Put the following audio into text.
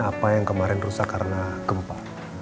apa yang kemarin rusak karena gempa